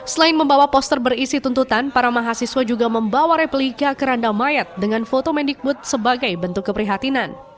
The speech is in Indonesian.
selain membawa poster berisi tuntutan para mahasiswa juga membawa replika keranda mayat dengan foto mendikbud sebagai bentuk keprihatinan